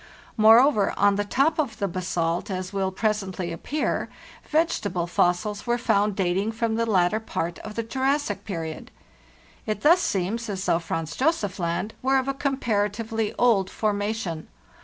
Moreover, on the top of the basalt, as will presently appear, vegetable fossils were found dating from the later part of the Jurassic period. It thus seems as though Franz Josef Land were of a comparatively old formation.